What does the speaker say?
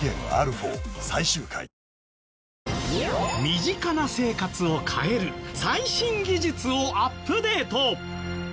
身近な生活を変える最新技術をアップデート！